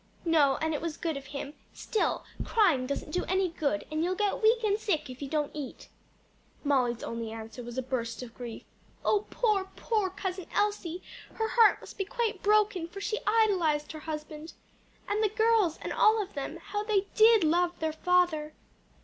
"No; and it was good of him. Still, crying doesn't do any good; and you'll get weak and sick if you don't eat." Molly's only answer was a burst of grief. "Oh poor, poor Cousin Elsie! her heart must be quite broken, for she idolized her husband. And the girls and all of them; how they did love their father!"